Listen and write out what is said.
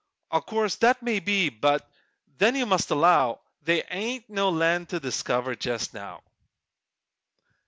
O' course that may be, but then you must allow They ain't no land to discover jest now!